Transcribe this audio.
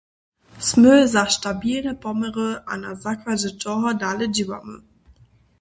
Smy za stabilbe poměry a na zakładźe toho dale dźěłamy.